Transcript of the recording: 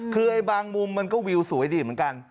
คือบางมุมมันก็วิวสูงไว้ดีเหมือนกัน